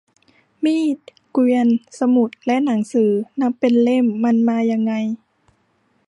มีด เกวียน สมุดและหนังสือ นับเป็นเล่ม มันมายังไง